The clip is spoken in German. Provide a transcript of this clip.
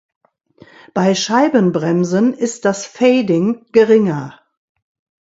Bei Scheibenbremsen ist das Fading geringer.